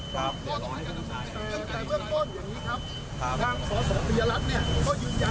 ครับครับ